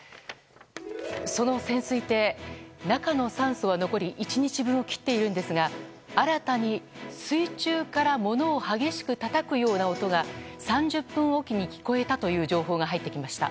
その潜水艇、中の酸素は残り１日分を切っているんですが新たに水中からものを激しくたたくような音が３０分おきに聞こえたという情報が入ってきました。